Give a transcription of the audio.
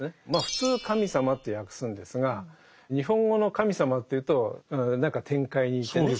普通「神様」って訳すんですが日本語の「神様」というと何か天界にいてね。